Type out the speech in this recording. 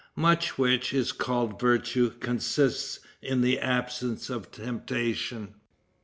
Much which is called virtue consists in the absence of temptation.